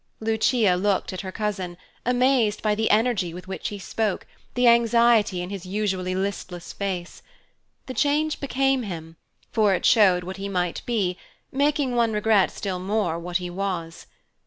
Lucia looked at her cousin, amazed by the energy with which he spoke, the anxiety in his usually listless face. The change became him, for it showed what he might be, making one regret still more what he was.